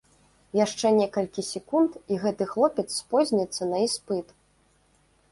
Яшчэ некалькі секунд і гэты хлопец спозніцца на іспыт!